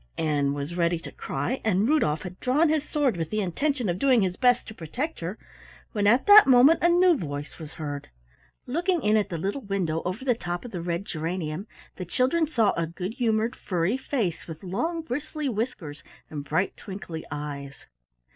Ann was ready to cry, and Rudolf had drawn his sword with the intention of doing his best to protect her, when at that moment a new voice was heard. Looking in at the little window over the top of the red geranium the children saw a good humored furry face with long bristly whiskers and bright twinkly eyes.